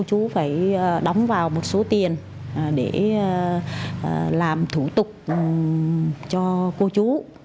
chú phải đóng vào một số tiền để làm thủ tục cho cô chú